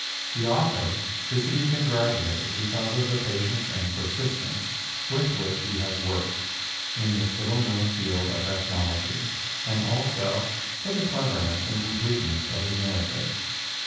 The author is to be congratulated because of the patience and persistence with which he has worked in this little known field of ethnology and also for the clearness and completeness of his narrative.